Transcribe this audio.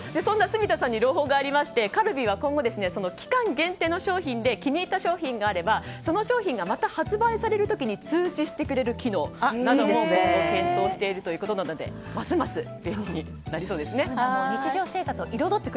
そんな住田さんに朗報がありましてカルビーは今後期間限定の商品で気に入った商品があればその商品がまた発売される時に通知してくれる機能なども検討しているということなのでますます便利になりますね。